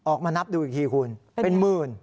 นับดูอีกทีคุณเป็นหมื่น